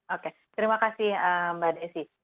oke terima kasih mbak desi